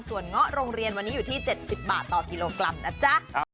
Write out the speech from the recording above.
ส่วนเงาะโรงเรียนวันนี้อยู่ที่๗๐บาทต่อกิโลกรัมนะจ๊ะ